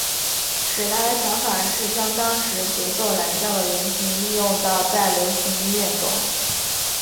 史达的想法是将当时节奏蓝调的原型利用到在流行音乐中。